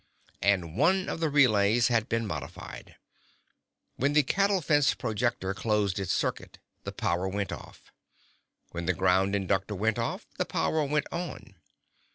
And one of the relays had been modified. When the cattle fence projector closed its circuit, the power went off. When the ground inductor went off, the power went on.